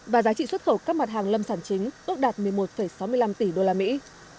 và giá trị xuất khẩu các mặt hàng lâm sản chính ước đạt một mươi một sáu mươi năm tỷ đô la mỹ